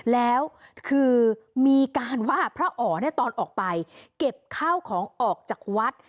แล้วคือมีการว่าพระอ๋อตอนออกไปเก็บข้าวของออกจากวัด